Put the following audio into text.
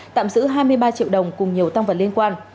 tạm giữ hai mươi ba triệu đồng cùng nhiều tăng vật liên quan